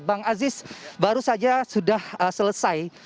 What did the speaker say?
bang aziz baru saja sudah selesai